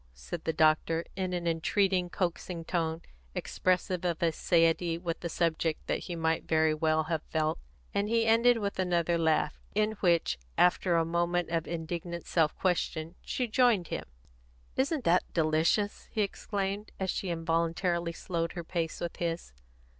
said the doctor, in an entreating, coaxing tone, expressive of a satiety with the subject that he might very well have felt; and he ended with another laugh, in which, after a moment of indignant self question, she joined him. "Isn't that delicious?" he exclaimed; and she involuntarily slowed her pace with his.